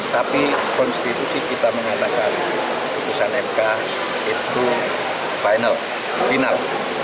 tapi konstitusi kita mengatakan putusan mk itu final